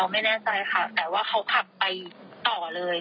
การขับนิ่งน้องไม่แน่ใจแต่ว่าเขาก็ขับไปต่อเลย